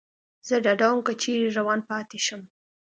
زه ډاډه ووم، که چېرې روان پاتې شم.